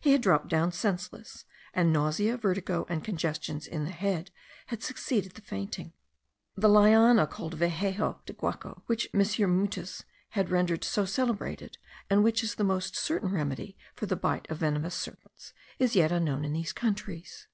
He had dropped down senseless; and nausea, vertigo, and congestions in the head, had succeeded the fainting. The liana called vejeco de guaco,* which M. Mutis has rendered so celebrated, and which is the most certain remedy for the bite of venomous serpents, is yet unknown in these countries.